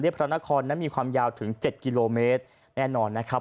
พระนครนั้นมีความยาวถึงเจ็ดกิโลเมตรแน่นอนนะครับ